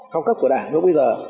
cao cấp của đảng lúc bây giờ